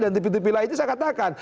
dan tv tv lainnya saya katakan